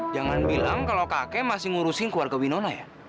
jangan bilang kalau kakek masih ngurusin keluarga winona ya